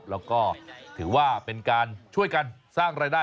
แล้วก็ถือว่าเป็นการช่วยกันสร้างรายได้